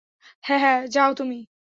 হ্যাঁ, যাও তুমি।